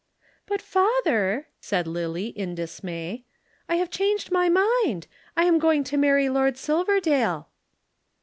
"But father!" said Lillie in dismay. "I have changed my mind. I am going to marry Lord Silverdale."